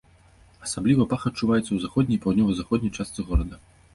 Асабліва пах адчуваецца ў заходняй і паўднёва-заходняй частцы горада.